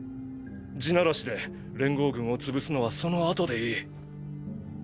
「地鳴らし」で連合軍を潰すのはその後でいい！